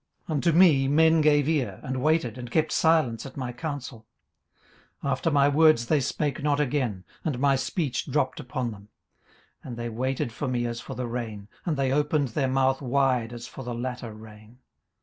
18:029:021 Unto me men gave ear, and waited, and kept silence at my counsel. 18:029:022 After my words they spake not again; and my speech dropped upon them. 18:029:023 And they waited for me as for the rain; and they opened their mouth wide as for the latter rain.